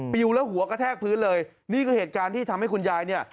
วิวแล้วหัวกระแทกพื้นเลยนี่คือเหตุการณ์ที่ทำให้คุณยายเนี่ย